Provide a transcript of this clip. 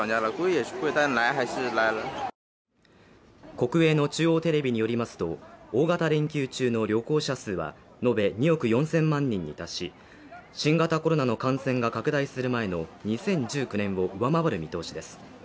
国営の中央テレビによりますと、大型連休中の旅行者数は延べ２億４０００万人に達し新型コロナの感染が拡大する前の２０１９年を上回る見通しです。